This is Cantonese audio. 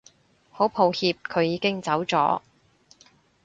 好抱歉佢已經走咗